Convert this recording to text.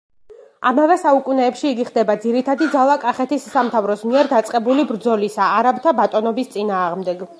ამავე საუკუნეებში იგი ხდება ძირითადი ძალა კახეთის სამთავროს მიერ დაწყებული ბრძოლისა არაბთა ბატონობის წინააღმდეგ.